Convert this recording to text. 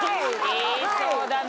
言いそうだな。